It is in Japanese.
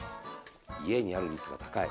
家にある率が高い！